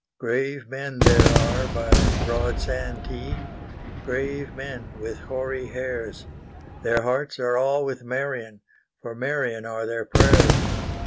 Grave men there are by broad Santee, Grave men with hoary hairs; Their hearts are all with Marion, For Marion are their prayers.